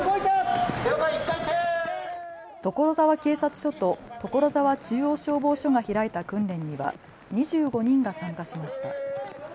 所沢警察署と所沢中央消防署が開いた訓練には２５人が参加しました。